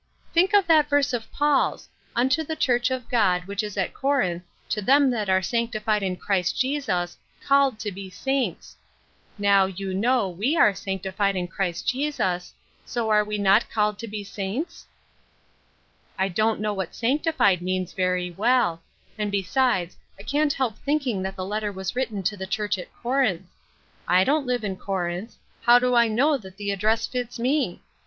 Think of that verse of Paul's, * Unto the Church of God, which is at Corinth, to them that are sanctified in Christ Jesus, called to he saints,^ Now, you know we are sanctified in Christ Jesus, so are we not called to be saints ?"" I don't know what ' sanctified ' means very well; and, besides, I can't help thinking that the letter was written to the Church at Corinth. Zdon'tlive in Corinth; how do I know that the 126 Ruth Ershine's Crosses, address fits me